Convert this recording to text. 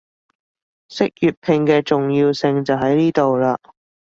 識粵拼嘅重要性就喺呢度喇